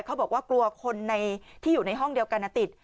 เขาบอกว่ากลัวคนที่อยู่ในห้องเดียวกันติด